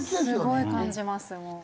すごい感じますね。